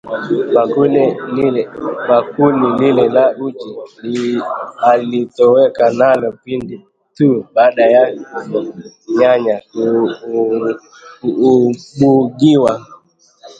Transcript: Bakuli lile la uji alitoweka nalo pindi tu baada ya nyanya kuubugia